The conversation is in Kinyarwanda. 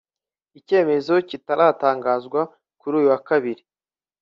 Icyemezo kiratangazwa kuri uyu wa kabiri